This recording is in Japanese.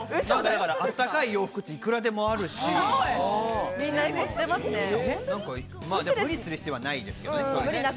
温かい洋服って、いくらでもあるし、無理する必要はないですけれどもね。